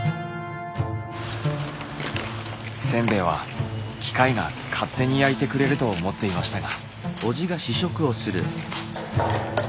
せんべいは機械が勝手に焼いてくれると思っていましたが。